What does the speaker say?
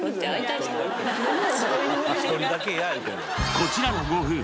こちらのご夫婦